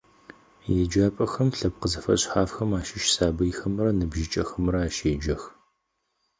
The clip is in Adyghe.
Еджапӏэхэм лъэпкъ зэфэшъхьафхэм ащыщ сабыйхэмрэ ныбжьыкӏэхэмрэ ащеджэх.